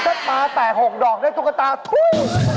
ถ้าปลาแตก๖ดอกได้ตุ๊กตาทุ่ม